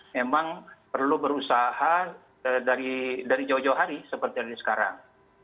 memang perlu berusaha dari jauh jauh hari seperti ada sekarang